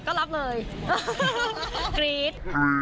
ก็รับเลยกรี๊ด